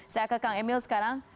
saya ke kang emil sekarang